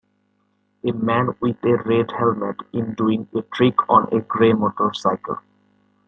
A man with a red helmet in doing a trick on a gray motorcycle.